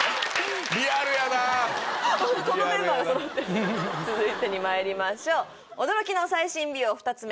リアルやなこのメンバーがそろってる続いてにまいりましょう驚きの最新美容２つ目